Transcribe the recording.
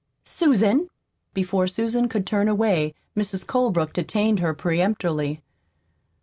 "Susan!" Before Susan could turn away, Mrs. Colebrook detained her peremptorily."